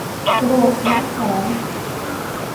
ตรวจหน้าท้อง